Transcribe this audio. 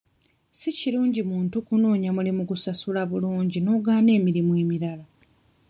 Si kirungi muntu kunoonya mulimu gusasula bulungi n'ogaana emirimu emirala.